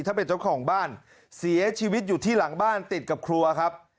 ถ้าเป็นเจ้าของบ้านเสียชีวิตอยู่ที่หลังบ้านติดกับครัวครับ